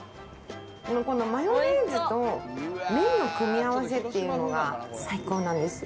このマヨネーズと麺の組み合わせっていうのが最高なんですよ。